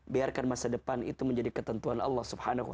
biarkan masa depan itu menjadi ketentuan allah swt